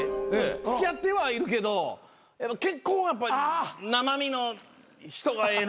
付き合ってはいるけど結婚はやっぱり生身の人がええな。